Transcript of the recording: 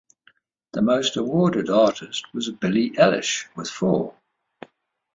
The most awarded artist was Billie Eilish with four.